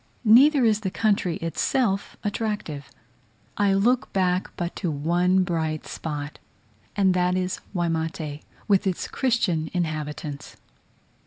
Neither is the country itself attractive. I look back but to one bright spot, and that is Waimate, with its Christian inhabitants.